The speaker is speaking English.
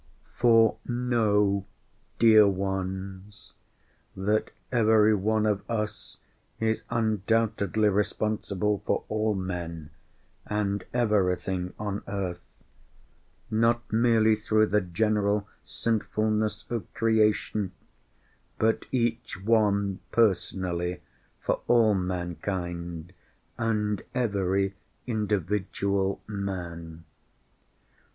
For know, dear ones, that every one of us is undoubtedly responsible for all men and everything on earth, not merely through the general sinfulness of creation, but each one personally for all mankind and every individual man.